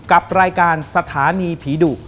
กับรายการสถานีผีดุ